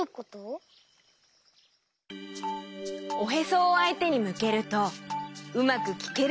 おへそをあいてにむけるとうまくきけるようになるんだよ。